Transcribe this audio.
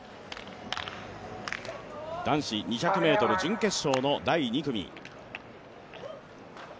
男子２００ｍ準決勝の第２組。